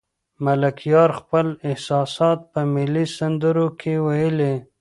ملکیار خپل احساسات په ملي سندرو کې ویلي.